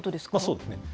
そうですね。